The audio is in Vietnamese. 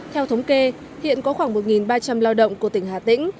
theo thống kê hiện có khoảng một ba trăm linh lao động của tỉnh hà tĩnh